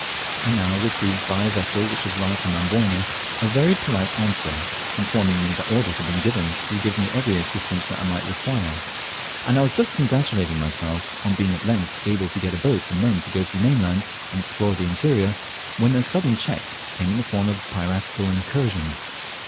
I now received by a vessel which had arrived from Amboyna a very polite answer informing me that orders had been sent to give me every assistance that I might require; and I was just congratulating myself on being at length able to get a boat and men to go to the mainland and explore the interior, when a sudden check came in the form of a piratical incursion.